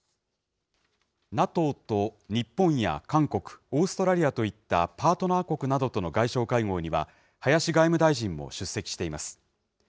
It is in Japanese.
ＮＡＴＯと日本や韓国、オーストラリアといったパートナー国などとの外相会合には、林外務大臣も出席しています。